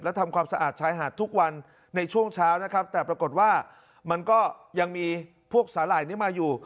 และทำความสะอาดชายหาดทุกวันในช่วงเช้านะครับแต่ปรากฏว่ามันก็ยังมีพวกสาหร่ายนี้มาอยู่